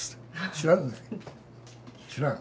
知らん？